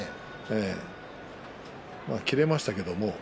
切れましたけれど。